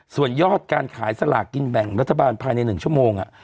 ส่วนยอดการขายสลากกินแบ่งรัฐบาลภายใน๑ชั่วโมง